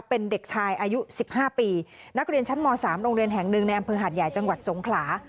เป็นเด็กชายอายุ๑๕ปีนักเรียนชั้นม๓โรงเรียนแห่งหนึ่งในอำเภอหาดใหญ่จังหวัดสงขลา